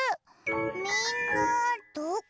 みんなどこ？